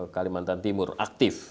kalimantan timur aktif